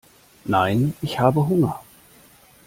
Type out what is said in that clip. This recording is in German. Nein, ich habe Hunger.